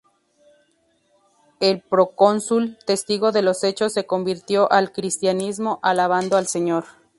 El procónsul, testigo de los hechos, se convirtió al cristianismo alabando al Señor.